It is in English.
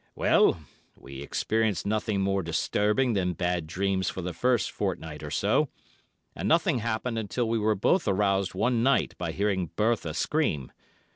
"Well, we experienced nothing more disturbing than bad dreams for the first fortnight or so, and nothing happened until we were both aroused one night by hearing Bertha scream.